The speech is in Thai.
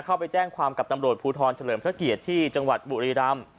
เข้าไปแจ้งความกับตำรวจภูทรเฉลิมพระเกียรติที่จังหวัดบุรีรำ